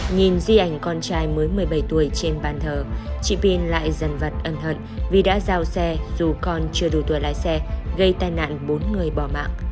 nhìn di ảnh con trai mới một mươi bảy tuổi trên bàn thờ chị pin lại dần vật ân thận vì đã giao xe dù còn chưa đủ tuổi lái xe gây tai nạn bốn người bỏ mạng